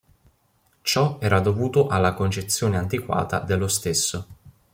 Ciò era dovuto alla concezione antiquata dello stesso.